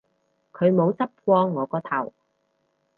佢冇執過我個頭